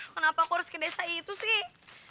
kenapa aku harus ke desa itu sih